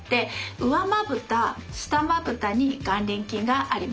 上まぶた下まぶたに眼輪筋があります。